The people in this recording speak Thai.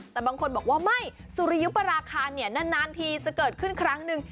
แต่บางคนบอกว่าไม่สุริยุปราคานานทีจะเกิดขึ้นครั้งหนึ่ง